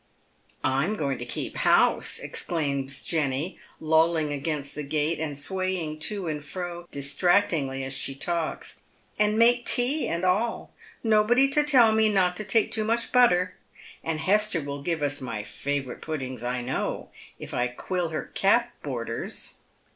" I'm going to keep house," exclaims Jenny, lolHng against th9 ^ate, and swaying to and fro distractingly as she talks; "and make tea and all ; nobody to tell me not to take too much butter ; and Hester will give us my favourite puddings, I know, if I quill her cap borders."